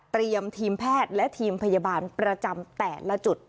ทีมแพทย์และทีมพยาบาลประจำแต่ละจุด